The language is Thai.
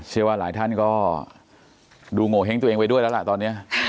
เชื่อว่าหลายท่านก็ดูโงเห้งตัวเองไปด้วยแล้วล่ะตอนนี้